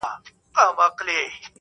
چې د کندهار عظیم ولس سپکاوی وکړي